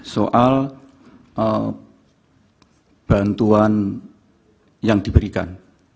soal bantuan yang diberikan